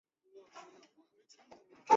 四带枣螺为枣螺科枣螺属的动物。